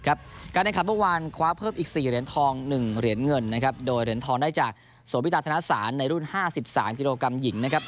การแรงขันเมื่อวานคว้าเพิ่มอีก๔เหรียญทอง